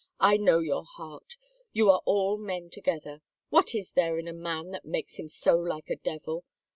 I know your heart, you are all men together. What is there in a man that makes him so like a devil